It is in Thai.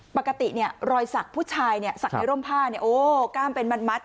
ปกติเนี่ยรอยสักผู้ชายเนี่ยศักดิ์ในร่มผ้าเนี่ยโอ้กล้ามเป็นมัด